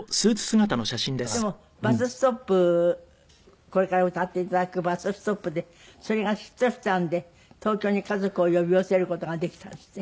でも『バス・ストップ』これから歌って頂く『バス・ストップ』でそれがヒットしたんで東京に家族を呼び寄せる事ができたんですって？